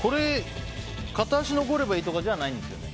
片足残ればいいとかじゃないんですよね。